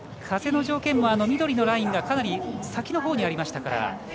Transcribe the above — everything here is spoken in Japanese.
風の条件も緑のラインがかなり先のほうにありましたから。